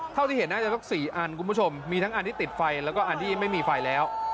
เท่าที่เห็นน่าจะสัก๔อันคุณผู้ชมมีทั้งอันที่ติดไฟแล้วก็อันที่ไม่มีไฟแล้ว